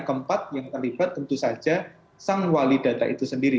keempat yang terlibat tentu saja sang wali data itu sendiri